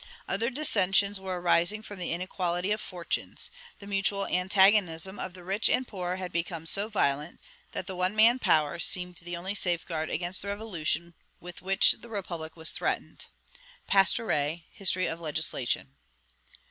Other dissensions were arising from the inequality of fortunes. The mutual antagonism of the rich and poor had become so violent, that the one man power seemed the only safe guard against the revolution with which the republic was threatened." (Pastoret: History of Legislation.)